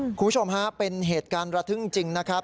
คุณผู้ชมฮะเป็นเหตุการณ์ระทึกจริงนะครับ